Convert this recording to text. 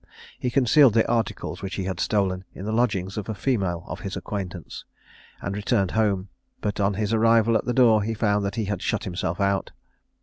He concealed the articles which he had stolen in the lodgings of a female of his acquaintance, and returned home; but on his arrival at the door he found that he had shut himself out.